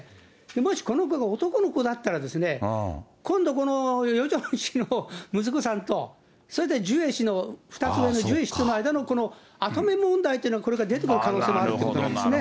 もしこの子が男の子だったら、今度、このヨジョン氏の息子さんと、それでジュエ氏の、２つ上のジュエ氏との間の跡目問題というのが。これから出てくる可能性もあるということなんですね。